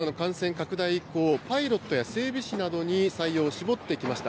この会社、グループ全体で新型コロナの感染拡大以降、パイロットや整備士などに採用を絞ってきました。